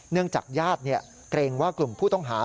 จากญาติเกรงว่ากลุ่มผู้ต้องหา